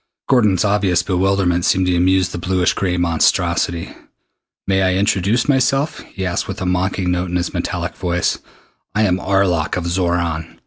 Gordon's obvious bewilderment seemed to amuse the bluish gray monstrosity. "May I introduce myself?" he asked with a mocking note in his metallic voice. "I am Arlok of Xoran.